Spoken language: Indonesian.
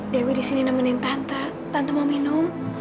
dewi disini nemenin tante tante mau minum